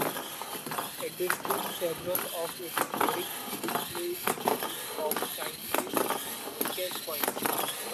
At this tomb several of its brick display images of Chinese cash coins.